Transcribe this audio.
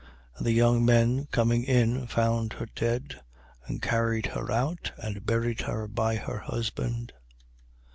And the young men coming in found her dead: and carried her out and buried her by her husband.